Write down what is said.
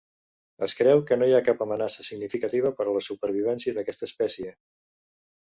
Es creu que no hi ha cap amenaça significativa per a la supervivència d'aquesta espècie.